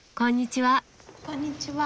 こんにちは。